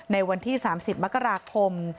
วันที่๓๐มกราคม